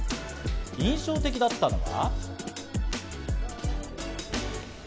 印象的だったのは。